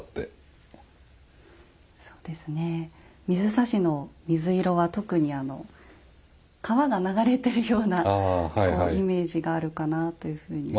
水指の水色は特に川が流れてるようなイメージがあるかなというふうに。